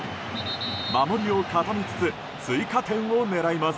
守りを固めつつ追加点を狙います。